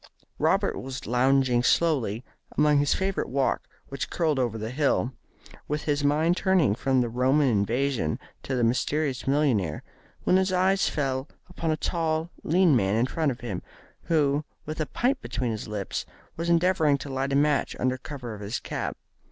Robert was lounging slowly along his favourite walk which curled over the hill, with his mind turning from the Roman invasion to the mysterious millionaire, when his eyes fell upon a tall, lean man in front of him, who, with a pipe between his lips, was endeavouring to light a match under cover of his cap.